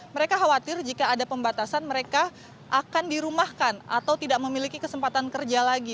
mereka khawatir jika ada pembatasan mereka akan dirumahkan atau tidak memiliki kesempatan kerja lagi